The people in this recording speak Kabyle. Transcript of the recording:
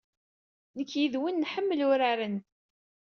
Nekk yid-wen nḥemmel uraren.